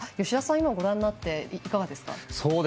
吉田さん、ご覧になっていかがですか。